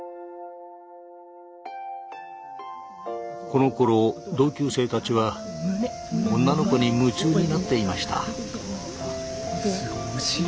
このころ同級生たちは女の子に夢中になっていました。